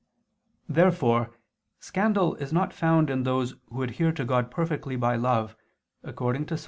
Therefore scandal is not found in those who adhere to God perfectly by love, according to Ps.